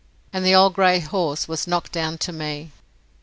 And the old grey horse was knocked down to me.